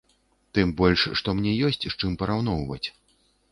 Тым больш, што мне ёсць з чым параўноўваць.